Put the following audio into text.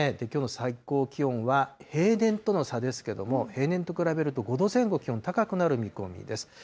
きょうの最高気温は、平年との差ですけれども、平年と比べると、５度前後気温高くなる見込みです。